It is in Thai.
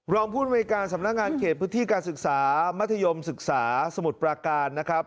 รองผู้อเมริกาสำนักงานเขตพฤษฐีการศึกษามัธยมสึกษาสมุทรปราการนะครับ